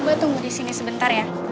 mbak tunggu disini sebentar ya